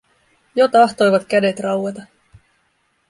Jo tahtoivat kädet raueta.